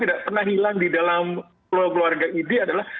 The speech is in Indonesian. tidak pernah hilang di dalam keluarga idi adalah